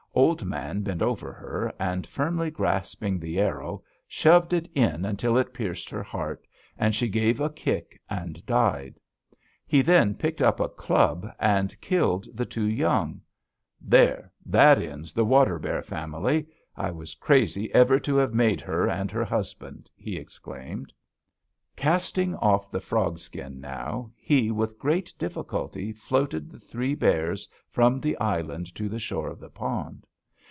Old Man bent over her, and, firmly grasping the arrow, shoved it in until it pierced her heart, and she gave a kick and died! He then picked up a club and killed the two young. 'There! That ends the water bear family. I was crazy ever to have made her and her husband!' he exclaimed. "Casting off the frog skin now, he with great difficulty floated the three bears from the island to the shore of the pond.